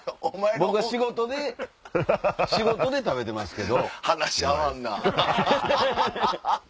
僕は仕事で食べてますけど。